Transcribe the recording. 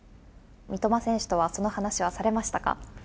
三笘選手とは、その話はされましたか？